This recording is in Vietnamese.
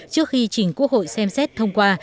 trước khi chỉnh quốc hội xem xét thông qua